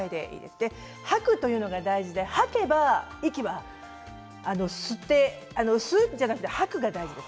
吐くというのが大事で吐けば息は吸って吸うのではなくて吐くのが大事。